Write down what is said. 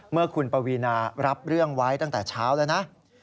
เมื่อคุณปวีนารับเรื่องไว้ตั้งแต่เช้าแล้วนะ